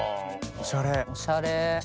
おしゃれ。